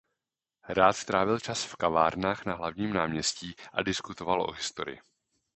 Rád trávil čas v kavárnách na hlavním náměstí a diskutoval o historii.